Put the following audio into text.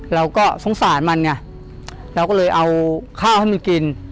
เราก็สงสารมันไงเราก็เลยเอาข้าวให้มันกิน